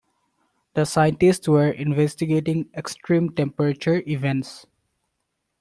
The scientists were investigating extreme temperature events.